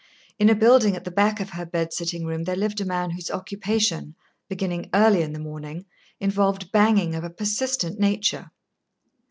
In a building at the back of her bed sitting room there lived a man whose occupation, beginning early in the morning, involved banging of a persistent nature.